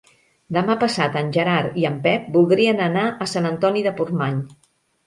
Demà passat en Gerard i en Pep voldrien anar a Sant Antoni de Portmany.